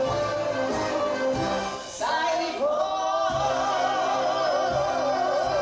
「最高」